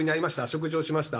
食事をしました。